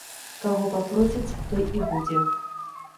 Каго папросяць, той і будзе.